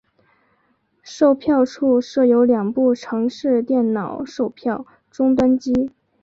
售票处设有两部城市电脑售票终端机。